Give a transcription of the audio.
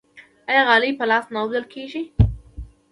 آیا غالۍ په لاس نه اوبدل کیږي؟